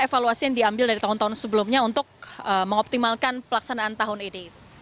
evaluasi yang diambil dari tahun tahun sebelumnya untuk mengoptimalkan pelaksanaan tahun ini